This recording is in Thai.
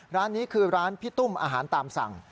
ร้านนี้คือร้านพี่ตุ้มอาหารตามสั่ง